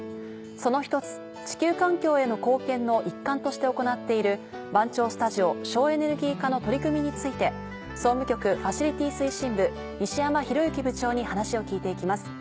その１つ「地球環境への貢献」の一環として行っている番町スタジオ省エネルギー化の取り組みについて総務局ファシリティ推進部西山裕之部長に話を聞いて行きます。